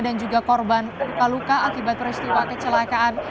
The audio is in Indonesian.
dan juga korban luka luka akibat peristiwa kecelakaan